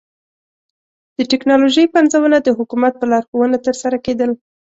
د ټکنالوژۍ پنځونه د حکومت په لارښوونه ترسره کېدل.